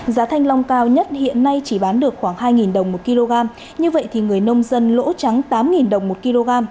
giá thanh long cao nhất hiện nay chỉ bán được khoảng hai đồng một kg như vậy thì người nông dân lỗ trắng tám đồng một kg